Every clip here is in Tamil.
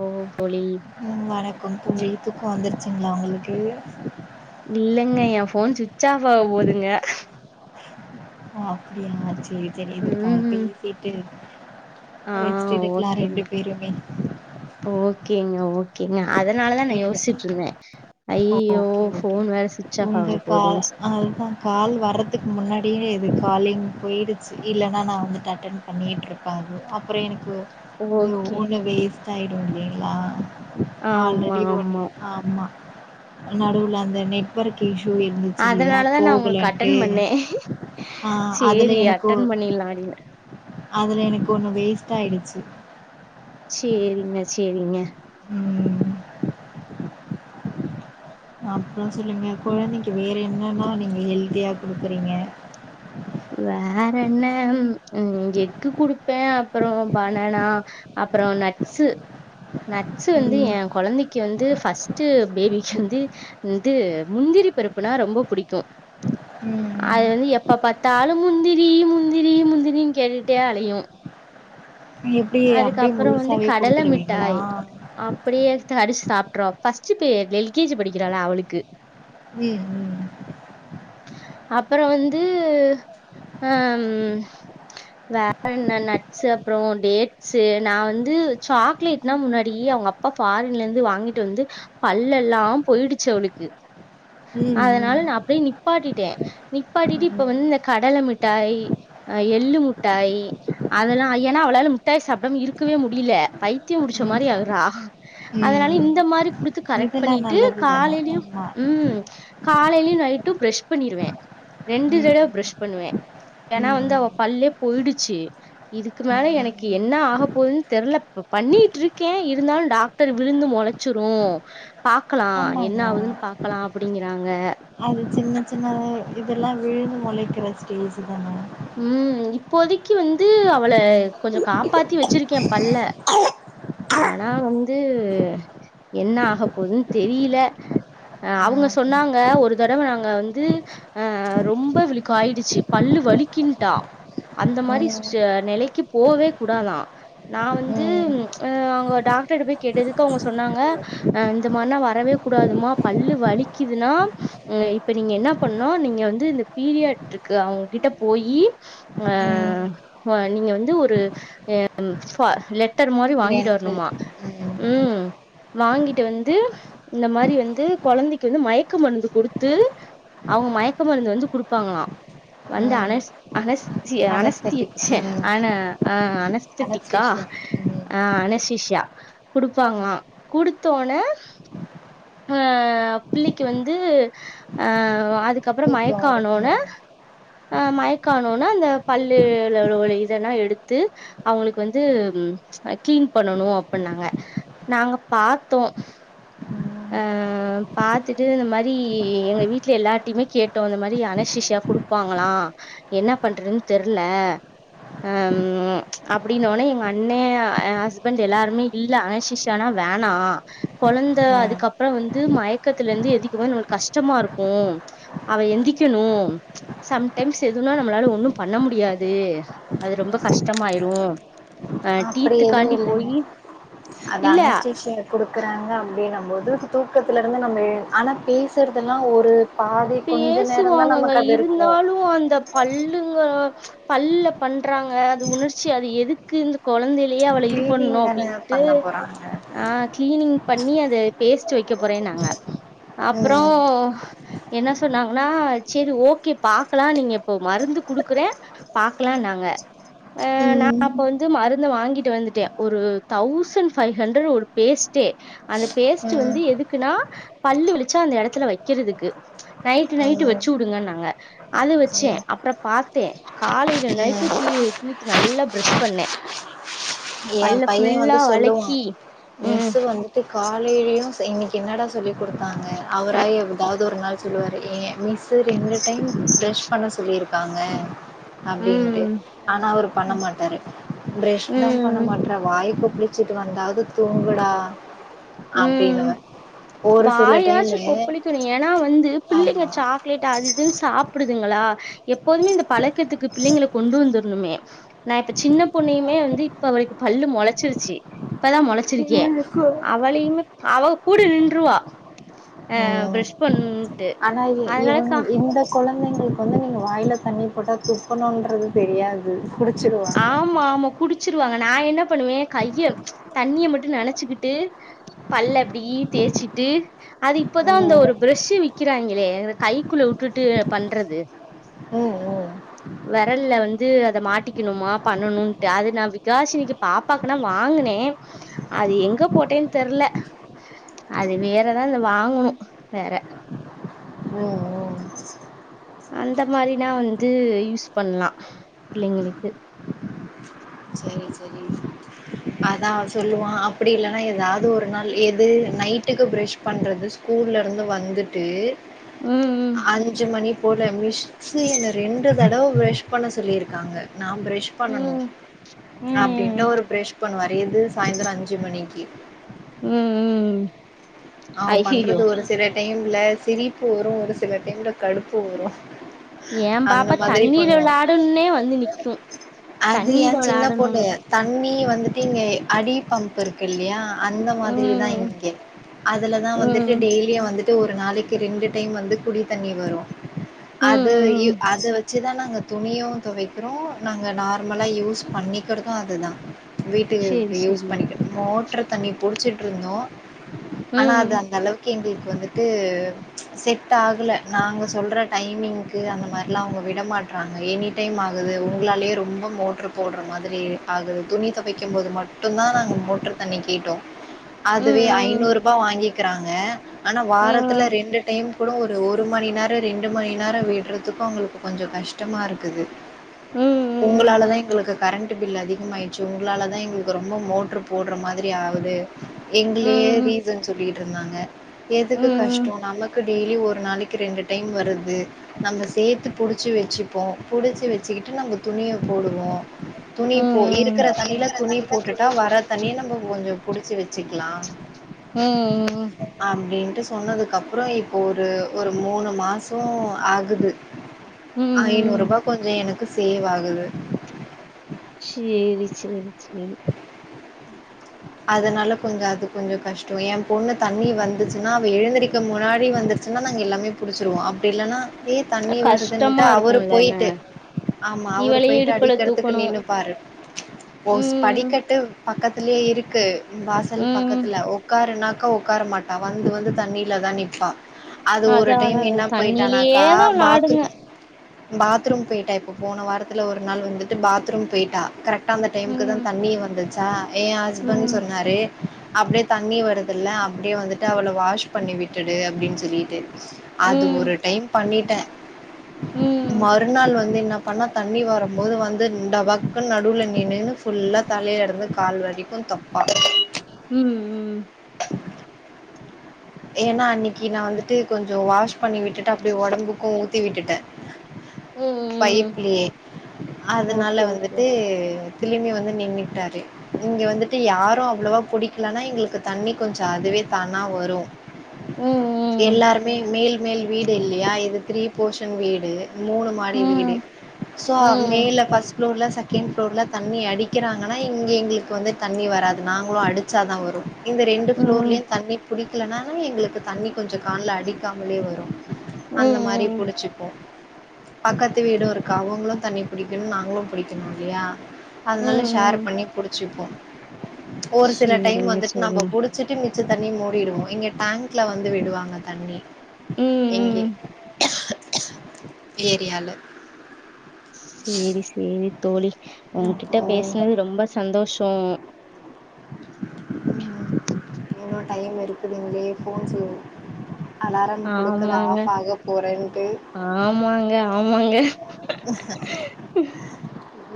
ஓ தோழி ம் வணக்கம் தோழி தூக்க வந்துருச்சுங்ளா உங்களுக்கு இல்லங்க எ ஃபோன் சுட்ச் ஆஃப் ஆக போதுங்க ஒ அப்டியா சேரி சேரி இதுப்பா ம் பேசிட்டு ஆ ரெஸ்ட் எடுக்கலா ஓகேங்க ரெண்டு பேருமே ஓகேங்க ஓகேங்க அதுனாலதா நா இல்ல யோசிச்சிட்ருந்தே ஐயய்யோ ஓகே ஓகே ஃபோன் வேற சுவிட்ச் ஆஃப் உங்க ஆக கால் போதுங்ஸ் அதுதா கால் வர்றதுக்கு முன்னாடியே இது காலிங் போயிடுச்சு இல்லனா நா வந்துட்டு அட்டென் பண்ணிட்டுருப்பாரு அப்புற எனக்கு இது ஓகே ஒன்னு வேஸ்ட் ஆயிடு இல்லைங்களா ஆமா இது ஒன்னு ஆமா ஆமா நடுவுல அந்த நெட்வொர்க் இஷ்யு இ ருந்துச்சு இல்லையா அதனாலதா நா உங்களுக்கு போகலன்ட்டு அட்டன் பண்ணே ஆ அதுல சேரி எனக்கோ அட்டன் பண்ணிடலா அப்டின்னு அதுல எனக்கு ஒன்னு வேஸ்ட் ஆயிடுச்சு சேரிங்க சேரிங்க ம் அப்புற சொல்லுங்க குழந்தைக்கு வேற என்னன்னா நீங்க ஹெல்தியா குடுக்குறீங்க வேற என்ன ம் எக்கு குடுப்பே அப்புற பனனா அப்புற நட்ஸு நட்ஸு வந்து ம் எ கொழந்தைக் க்கி வந்து ஃபர்ஸ்ட்டு பேபிக்கு வந்து ந்து முந்திரி பருப்புனா ரொம்ப புடிக்கு ம் ம் அது வந்து எப்ப பா த்தாலு முந்திரி முந்திரி முந்திரின்னு கேட்டுட்டே அலையு எப்டி அப்டியே அதுக்கப்பற வந்து முழுசாவே கடல குடுத்துருவீங்களா மிட்டாய் அப்டியே கடிச்சு சாப்ட்ருவா ஃபர்ஸ்ட் பே எல்கேஜி படிக்கிறாளா அவளுக்கு ம் ம் அப்புற வந்து அம் வேற என்ன நட்ஸு அப்புறோ டேட் ஸு நா வந்து சாக்லேட்னா முன்னாடி அவங்க அப்பா ஃபாரின்லருந்து வாங்கிட்டு வந்து பல்லெல்லா போயிடுச்சு அவளுக்கு ம் அதனால நா அப்டியே நிப் பாட்டிட்டே நிப்பாட்டிட்டு இப்ப ம் வந்து இந்த கடலை மிட்டாய் அ எள்ளு முட்டாய் அதெல்லா ஏன்னா அவளால முட்டாய் சாப்டாம இருக்கவே முடியில பைத்தியம் புடிச்ச ம் மாரி ஆகுறா அதனால ம் ம் இந்த மாரி குடுத்து கரெக்ட் இதெல்லா பண்ணிட்டு நல்லது தான காலையிலயும் ஆமா ம் காலையிலயு நயிட்டு ப்ரஷ் பண்ணிருவே ரெண்டு ம் தடவ ப்ரஷ் பண்ணுவே ஏனா ம் வந்து அவ ம் பல்லே போயிடுச்சு இதுக்கு மேல எனக் கி என்ன ஆக போதுன்னு தெர்ல பண்ணிட்டு இருக்கே இருந்தாலு டாக்டர் விழுந்து முளைச்சிரு பாக்கலா என்ன ஆமாங்க ஆவுதுன்னு பாக்கலா அப்டிங்கிறாங்க அது சின்ன சின்னதா இதெல்லா விழுந்து முளைக்கிற ஸ்டேஜ் தானே ம் இப்போதைக்கு வந்து அவள கொஞ்ச காப்பாத்தி வச்சிருக்கே பல்ல ஆனா வந்து என்ன ஆக போதுன்னு தெரில அ அவுங்க சொன்னாங்க ஒரு தடவை நாங்க வந்து அ ரொம்ப விழுக்கு ஆயிடுச்சு பல்லு வலிக்கின்ட்டா அந்த மாரி ம் ம் நெலைக்கு போவே குடாதா நா வந்து ம் அவுங்க டாக்டர் போய் கேட்டதுக்கு அவுங்க சொன்னாங்க அ இந்த மாரிலா வரவே கூடாதுமா பல்லு வலிக்குதுன்னா ம் இப்ப நீங்க என்ன பண்ணனுனா நீங்க வந்து இந்த பீரியட்ருக்கு அவங்ககிட்ட போயி அ ம் நீங்க வந்து ஒரு லெட் ட்டர் மாரி வாங்கிட்டு வரணுமா ம் வாங்கிட்டு வந்து இந்த மாரி வந்து கொழந்தைக்கு வந்து மயக்க மருந்து குடுத்து அவங்க மயக்க மருந்து வந்து குடுப்பாங்களா த ம் அனஸ் அனஸ் சி அனஸ் தி அனஸ்தட்டிக் சே ம் ஆன அ அனஸ் ஆனஸ்தட்டிக்கா அனஸ்தேஷியா ம் அனஸ்தீசியா குடுப்பாங்களா குடுத்தோவுட்னே அ பிள்ளிக்கு வந்து அ அதுக்கப்புறே மயக்கம் பிகார் ஆனோவுட்னே ம் அ மயக்கம் ஆனோன்னா அந்த பல்லுலோயுள்ள இதெல்லாம் எடுத்து அவங்களுக்கு வந்து கிளீன் பண்ணனோ அப்பிட்னாங்க நாங்க பாத்தோம் ம் அ பாத்துட்டு இந்த மாரி எங்க வீட்ல எல்லார்டையுமே கேட்டோ இந்த மாரி அனஸ்ஸுஷியா கொடுப்பாங்களா என்னா பண்றதுன்னு தெர்ல ம் அப்படின்னோட்னே எங்க அண்ணே ஏ ஹஸ்பண்ட் எல்லாருமே இல்ல அனசீசியான்னா வேணா கொழந்த ம் அதுக் கப்பறம் வந்து மயக்கத்துல இருந்து எந்திக்கும் போது நம்மளுக்கு கஷ்டமா இருக்கோ அவன் எந்திக்கணோ சம்டைம்ஸ் எதுனா நம்மளால ஒண்ணும் பண்ண முடியாது அது ரொம்ப கஷ்டமாயிரூம் அ அப்படி எதுவும் டீத்துக்காண்டி இல்லைங்க போயி அது இல்ல அணசீசியா குடுக்குறாங்க அப்படின்னும் போது தூக்கத்துலருந்து நம்ம எழு ஆனா பேசுறதெலாம் ஒரு பாதி கொஞ்சோ நேரம் தா பேசுவாங்கங்க நமக்கு அது இருக்கோ இருந்தாலு அந்த பல்லுங்க பல்ல பண்றாங்க அது உணர்ச்சி அது எதுக்கு இந்த கொழந்தைல லயே அவள இது கிளீனிங் பண்ணோ தானே அப்டின்ட்டு பண்ண போறாங்க ஆ கிளீனிங் பண்ணி அத பேஸ்ட்டு வைக்க போறேன்னாங்க ம் அப்றோம் என்ன சொன்னாங்கன்னா சரி ஓகே பாக்கலாம் நீங்க இப்போ மருந்து குடுக்குறேன் பாக்கலான்னாங்க அ நா ம் அப்ப வந்து மருந்த வாங்கிட்டு வந்துட்டே ஒரு தௌசண்ட் ஃபைவ் ஹண்ட்ரட் ஒரு பேஸ்ட்டே அந்த பேஸ்ட்டு வந்து ம் எதுக்குன்னா பல்லு வலிச்சா அந்த எடத்துல வைக்கிறதுக்கு நைட்டு நைட்டு வச்சு ம் விடுங்கன்னாங்க அது வச்சேன் அப்பறம் பாத்தே காலையில ம் ம் நைட்டும் டீ டீத் நல்லா ப்ரஷ் பண்ணே ஏன் பல்ல பையன் ஃபுல்லா வந்து சொல்லுவான் வளக்கி ம் மிஸ் வந்து காலயிலயும் இன்னிக்கு என்னடா சொல்லி் குடுத்தாங்க அவரா ஏதாவது ஒரு நாள் சொல்லுவாரு ஏன் மிஸ் ரெண்டு டைம் ப்ரஷ் பண்ண சொல்லியிருக்காங்க அப்டின்ட்டு ம் ஆனா அவரு பண்ண மாட்டாரு ப்ரஷ் தா ம் வாய் கொப்லிச்சிட்டு வந்தாவது தூங்குடா அப்டின்னுவ ம் ஒரு சில டைமு வாயாச்சும் கொப்பளிக்கணும் ஏன்னா வந்து பிள்ளைங்க ஆமா சாக் க்லேட் அது இதுன்னு சாப்பிடுதுங்களா எப்போதுமே லேட் ஆத இதுன்னு சாப்பிடுதுங்களா எப்பவ்மே இந்த பழக்கத்துக்கு பிள்ளைங்கள கொண்டு வந்துர்ணுமே நா இப்ப சின்ன பொண்ணையுமே வந்து இப்ப வரைக்கும் அவளுக்கு பல்லு மொளச்சிருச்சு இப்பதா மொளச்சிருக்கே இவனுக்கு அவளயுமே அவ கூட நின்றுவா ஆ ம் ப்ரஷ் பண் ஆனா இது இவங்க இந்த கொழந்தைங்களுக்கு வந்து நீங்க வாயில தண்ணி போட்டா துப்பணுன்றது தெரியாது புடிச்சிருவாங்க ஆமா ஆமா குடிச்சிருவாங்க நா என்ன பண்ணுவேன் கைய தண்ணிய மட்டு நனச்சுக்கிட்டு பல்ல அப்படி ஈ தேச்சிட்டு அது ம் இப்பதா அந்த ஒருப் ம் பிரஷ்சு விக்கிறாங்களே அ கைக்குள்ள விட்டுட்டு பண்றது ம் வெரல்ல வந்து அத மாட்டிக் க்கணுமா பண்ணணுன்ட்டு அது நா விகாசினிக்கு பாப்பாக்குன்னா வாங்குனே அது எங்க போட்டேன்னு தெர்ல அது வேறதா இந்த வாங்கணோ வேற ம் ம் அந்த மாரின்னா வந்து யூஸ் பண்ணலா பிள்ளைங்களுக்கு சரி சரி அதான் சொல்லுவான் அப்படி இல்லன்னா ஏதாவது ஒரு நாள் எது நைட்டுக்கு ப்ரஷ் பண்றது ஸ்கூல்லருந்து வந்துட்டு ம் ம் அஞ்சு மணி போல மிஸ்ஸு என்ன ரெண்டு தடவ பிரஷ் பண்ண சொல்லியிருக்காங்க நான் பிரஷ் ம் பண்ணனும் ம் அப்டின்ட்டு ம் ஒரு பிரஷ் பண்ணுவாரு எது சாய்ந்தரம் அஞ்சு மணிக்கு ம் ம் அவன் ஐய்யய்யோ பண்றது ஒரு சில டைம்ல சிரிப்பு வரும் ஒரு சில டைம்ல கடுப்பு வரும் ஏ அந்த பாப்பா மாதிரி தண்ணில பண்ணுவா விளாடுன்னே வந்து நிக்கு அது தண்ணில ஏன் சின்ன பொண்ணு விளாடணுனு தண்ணி வந்துட்டு இங்கே அடி பம்ப் இருக்கு இல்லையா அந்த மாதிரி தா ம் இங்கே அதுலதா வந்துட்டு ம் டெய்லியு வந்துட்டு ஒரு நாளைக்கு ரெண்டு டைம் வந்து குடி தண்ணி வரும் ம் அது யூ ம் அத மச்சுதான் நாங்க துணியும் துவைக்குறோம் நாங்க நார்மலா யூஸ் பண்ணிக்கிறதும் அதுதா சேரி வீட்டுக்கு யூஸ் சேரி பண்ணிக்க மோட்ரு தண்ணி புடிச்சிட்ருந்தோ ஆனா ம் அது அந்த அளவுக்கு எங்ளுக்கு வந்துட்டு து செட் ஆகல நாங்க சொல்ற டைமிங்க்கு அந்த மாரிலா அவங்க விடமாட் றாங்க எனி டைம் ஆகுது உங்களாலேயே ரொம்ப மோட்ரு போடுற மாதிரி ஆகுது துணி தொவைக்கும் போது மட்டு மட்டும்தா நாங்க மோட்ரு தண்ணி கேட்டோம் அதுவே ம் ஐநூரூபா வாங்கிக்கிறாங்க ஆனா ம் வாரத்துல ம் ரெண்டு டைம் கூட ஒரு ஒரு மணி நேரம் ரெண்டு மணி நேரம் விடுறதுக்கும் உங்களுக்கு கொஞ்சம் கஷ்டமா இருக்குது ம் உங்களாலதா எங்களுக்கு கரண்ட்டு பில் அதிகமாகாயிச்சு உங்களால தா எங்களுக்கு ரொம்ப மோட்ரு போடுற மாதிரி ஆகுது எங்களயே ம் ரீசன் சொல்லிட்டு இருந்தாங்க எதுக்கு கஷ் ம் [unintelligible] நமக்கு டெய்லி ஒரு நாளைக்கு ரெண்டு டைம் வருது நம்ம சேத்து புடிச்சு வச்சுப்போ புடிச்சு வச்சுக்கிட்டு நம்ப துணிய போடுவோ துணி போ ம் இருக்கிற தண்ணில துணி போட்டுட்டா வர தண்ணிய நம்ப கொஞ்சம் புடிச்சு வச்சுக்கலாம் ம் அப்டின்ட்டு சொன்னதுக்கு அப்புறம் இப்போ ஒரு ஒரு மூணு மாசம் ஆகுது ம் ஐநூரூபா கொஞ்சம் எனக்கு சேவ் ஆகுது சேரி செரி செரி அதனால கொஞ்சஅது கொஞ்சம் கஷ்டம் என் பொண்ணு தண்ணி வந்துச்சுன்னா அவ எழுந்திரிக்க முன்னாடி வந்துருச் [unintelligible] நாங்க எல்லாமே புடிச்சிருவோம் அப்டி இல்லன்னா ஏ தண்ணி வருதுன்ட்டு கஷ்டமா அவரு இருக்குல்லன போயிட்டு ஆமா அவரு இவளையு போயிட்டு இடுப்புல அடிக்கறதுக்கு தூக்கணு நின்னுப்பாரு போஸ் ம் படிக்கட்டு பக்கத்தலயே இருக்கு வாசல் ம் பக்கத்துல உக்காருனா [unintelligible] ஒக்கார மாட்டா வந்து வந்து தண்ணில தா நிப்பா அது ஒரு அதா அதா டைம் என்ன போயிட்டானாக்கா தண்ணிலயேதா பாத்ரூ விளாடுங்க பாத்ரூம் போயிட்டா இப்ப போன வாரத்துல ஒரு நாள் வந்துட்டு பாத்ரூம் போயிட்டா கரெக்ட்டா அந்த டைமுக்கு தா ம் தண்ணி வந்துச்சா என் ஹஸ்பண்ட் ம் சொன்னாரு அப்டியே தண்ணி வருதுல அப்டியே வந்துட்டு அவள வாஷ் பண்ணி விட்டுடு அப்டின்னு சொல்லிட்டு அது ம் ஒரு டைம் பண்ணிட்டே ம் மறுநாள் வந்து என்ன அப்பல தண்ணி வருபோது வந்து நிண்டு டபக்குனு நடுவுல நின்னுனு ஃபுல்லா தலைல இருந்து கால் வரைக் [unintelligible] தப்பா உம்உம் ஏன்னா அன்னைக்கு நா வந்துட்டு கொஞ்சோ வாஷ் பண்ணி விட்டுட்டு அப்டி ஒடம்புக்கும் ஊத்தி விட்டுட்டே ம் ம் பைப்லேயே ஓகே அதனால ஓகே வந்துட்டு பிள்ளைங்க வந்து நின்னுட்டாரு இங்க வந்துட்டு யாரும் அவ்ளவா புடிக்கலனா எங்களுக்கு தண்ணி கொஞ்சோ அதுவே தானா வரூ ம் எல்லாருமே மேல் மேல் வீடு இல்லயா இது த்ரீபோஷன் வீடு மூணு ம் மாடி வீடு ம் சோ ம் மேல ஃபஸ்ட் ஃப்ளோர்ல செகண்ட் ஃப்ளோர்ல தண்ணி அடிக்கிறாங்கன்னா இங்க எங்களுக்கு வந்து தண்ணி வராது நாங்களு அடிச்சா தா வரும் இந்த ம் ரெண்டுஃப்ளோர்லயும் தண்ணி புடிக்கலனா எங்களுக்கு தண்ணி கொஞ்சோ கால்ல அடிக்காமலே வரும் அந்த மாரி ம் புடிச்சிப்போ பக்கத்து வீடு இருக்கா அவுங்களும் தண்ணி புடிக்கணும் நாங்களும் புடிக்கணும் இல்லயா அதனால ஷேர் ம் பண்ணி புடிச்சுப்போம் ஒரு சில டைம் சேரிங்க வந்துட்டு நம்ம சேரிங்க புடிச் சுட்டு மிச்ச தண்ணி மூடிடுவோம் இங்க டேங்க்ல வந்து விடுவாங்க தண்ணி ம் எங்கே ம் ஏரியால சேரி சேரி தோழி உங்க கிட்ட ஓ பேசுனது ரொம்ப சந்தோஷோ உம் இன்னும் டைம் இருக்குதுங்ளே ஃபோன் செய் அலாரம் குடுக்குது ஆமாங்க ஆஃப் ஆக பொறேன்ட்டு ஆமாங்க ஆமாங்க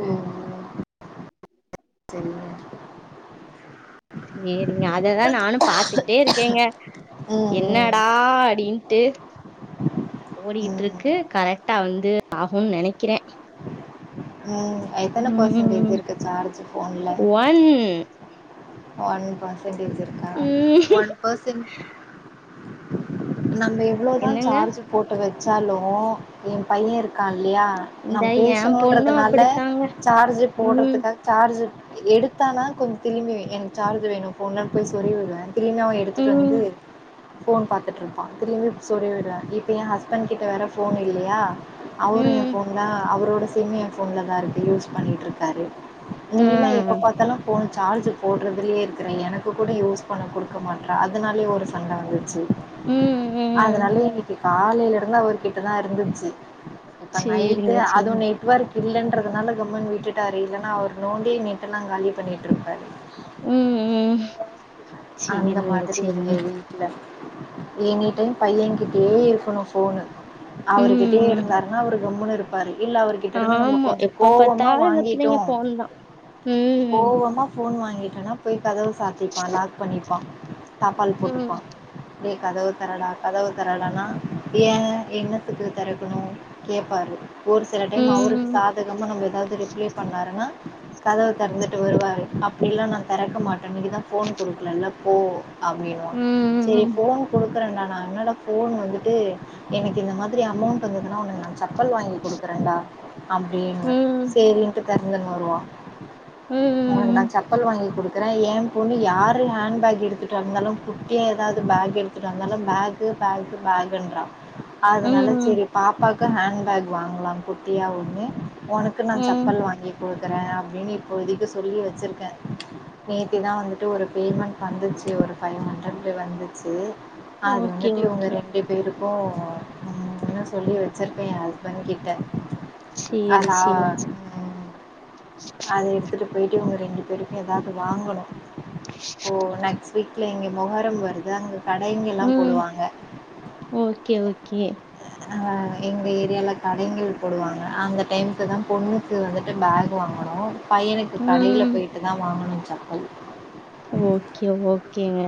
உம் சரிங்க தோழி சேரிங்க அததா நானூ பாத்துக்கிட்டே இருக்கேங்க ம் ம் என்னடா அடின்ட்டு ஓடிட்டு ம் இருக்கு கரெக்டா வந்து ஆகும்னு நெனைக்கிறே. உம் எத்தன பர்சன்டேஜ் ம் இருக்கு சார்ஜ் போன்ல ஒன் ஒன் பர்சன்டேஜ் இருக்கா ம் ஒன் பெர்சன் நம்ம எவ்ளவுதா என்னங்க சார்ஜ் போட்டு வச்சாலு என் பையன்க் இருக்கா இல்லையா இந்த நம் என் பொண்ணும் பேசணும்ன்றதுனால அப்படித்தாங்க. சார்ஜ் ம், போடுறதுக்காக சார்ஜ் எடுத்தானா கொஞ்சோ திரும்பி எனக்கு சார்ஜ் வேணும் ஃபோன போய் சொருகிவிடுவே திடின் அவே எடுத்துட்டு ம், வந்து ஃபோன் பாத்துட்டு இருப்பா திலயுமே சொருவிடுவே இப்ப எ ஹஸ்பண்ட் கிட்ட வேற ஃபோன் இல்லயா அவரும் என் ம், ஃபோன்ல தா அவரோட சிம் என் போன்லதா இருக்கு யூஸ் பண்ணிட்டுருக்காரு நீ ஆ, என்ன எப்ப பாத்தாலூ ஃபோன சார்ஜ் போடுறதுலயே இருக்குறே எனக்கு கூட யூஸ் பண்ண குடுக்க மாட்ற அதனாலயே ஒரு சண்டை வந்துச்சு ம், ம். அதனால இன்னைக்கு காலையில இருந்து அவர்கிட்டதா இருந்துச்சு இப்ப சரிங்க, நைட்டு் அதுவு சரிங்க. நெட்வொர்க் இல்லன்றதுனால கம்மன்னு விட்டுட்டாரு இல்லன்னா அவர் நோண்டி நெட்டு எல்லா காலி பண்ணிட்டு இருப்பாரு ம், ம். அந்த சரிங்க, மாதிரி சரிங்க. இங்கயும் இல்ல ஏங்கிட்டயு பையே கிட்டேயும் இருக்கனும் ஃபோனு அவருகிட்டயே ம். இருந்தாருன்னா அவரு கம்முன்னு இருப்பாரு இல்ல அவருட் இருந்து நம்ம ஆமா. கொஞ்சோ எப்ப கோவமா பார்த்தாலும் இந்த பிள்ளைங்க வாங்கிட்டோம் ஃபோன் தான். ம், கோவமா ஃபோன் வாங்கிட்டோனா போய் கதவு சாத்திப்பா லாக் பண்ணிப்பா தாப்பாள் ம், போட்டுப்பா டேய் கதவு தெறடா கதவு தெறடா னா ஏ என்னத்துக்கு திறக்கணும் கேப்பாரு ஒரு சில டைம் அவருக்கு ம், சாதகமா நம்ம ஏதாவது ரிப்ளை பண்ணாருன்னா கதவ திறந்துட்டு வருவாரு அப்டில்லா நா திறக்க மாட்டே நீங்க தா ஃபோன் குடுக்கலல்ல போ அப்டினுவா ம், சரி ம், ஃபோன் குடுக்குறேன்டா நா என்னோட ஃபோன் வந்துட்டு எனக்கு இந்த மாதிரி அமௌண்ட் வந்ததுன்னா உனக்கு நான் சப்பல் வாங்கி குடுக்குறேன்டா அப்டின்னு ம், சேரினுட்டு பெறந்தவ வருவா உனக் நா ம், சப்பல் வாங்கி குடுத் ஏ பொண்ணு யாரு ஹேண் பேக் எடுத்துட்டு இருந்தாலும் குட்டியா எதாது பேக் எடுத்துட்டு வந்தாலு பேக் பேக்கு பேக்குன்றா அதனால சேரி பாப்பாக்கு ஹேண் பேக் வாங்கலா குட்டியா ஒன்னு உனக்கு நா ம். சப்பல் வாங்கி குடுக்குறே அப்டினு இப்ப வரிக்கு சொல்லி வெச்சிருக்கே நேத்திதா வந்துட்டு ஒரு பேமெண்ட் வந்துச்சு ஒரு ஃபைவ் ஹண்ட்ரட் வந்துச்சு அது ஓகே, வந்துட்டு இவுங்க ஓகே. ரெண் டு பேருக்கும் ம் அப்டினு சொல்லி வெச்சருப்பே எ ஹஸ்பெண்கிட்ட சரி, அதா சரி. ம் அத எடுத்துட்டு போய்ட்டு இவுங்க ரெண்டு பேருக்கு எதாது வாங்கணு ச இப்போ [unintelligible] ரி நெக்ஸ்ட் வீக்ல எங்க மொகரம் வருது அங்க கடைங்கெல்லா ம். போடுவாங்க ஓகே, ஓகே. ஆ எங்க ஏரியால கடைங்கள் போடுவாங்க அந்த டைம்க்குதா பொண்ணுக்கு வந்துட்டு பேக் வாங்கணு பையனுக்கு கடைல ம். போய்ட் டுதா வாங்கணு செப்பல் ஓகே ஓகேங்க